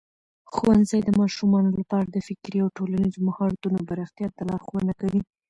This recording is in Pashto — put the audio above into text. ښوونځی د ماشومانو لپاره د فکري او ټولنیزو مهارتونو پراختیا ته لارښوونه کوي.